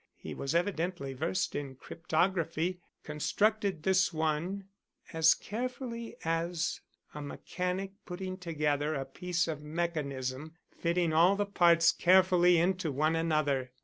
He was evidently versed in cryptography, constructed this one as carefully as a mechanic putting together a piece of mechanism, fitting all the parts carefully into one another.